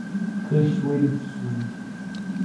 Cachoeira do Sul